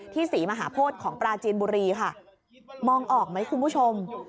ศรีมหาโพธิของปราจีนบุรีค่ะมองออกไหมคุณผู้ชม